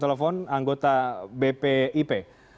telepon anggota bpip